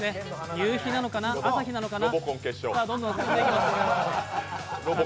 夕日なのかな、朝日なのかな。